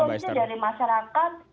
konsumsi dari masyarakat